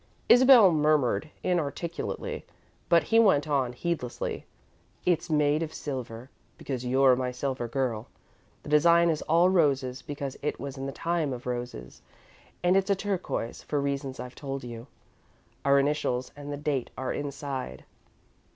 Isabel murmured inarticulately, but he went on, heedlessly: "It's made of silver because you're my Silver Girl, the design is all roses because it was in the time of roses, and it's a turquoise for reasons I've told you. Our initials and the date are inside."